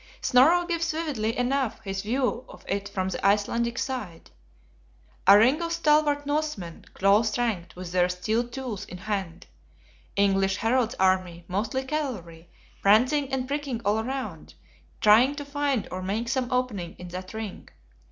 Snorro gives vividly enough his view of it from the Icelandic side: A ring of stalwart Norsemen, close ranked, with their steel tools in hand; English Harold's Army, mostly cavalry, prancing and pricking all around; trying to find or make some opening in that ring.